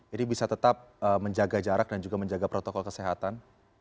ini bisa tetap menjaga jarak dan juga menjaga protokol kesehatan